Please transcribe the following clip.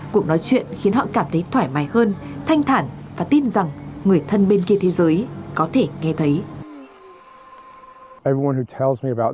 cuộc nói chuyện khiến họ cảm thấy thoải mái hơn thanh thản và tin rằng người thân bên kia thế giới có thể nghe thấy